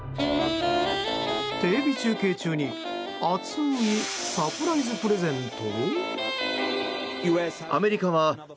テレビ中継中に熱いサプライズプレゼント。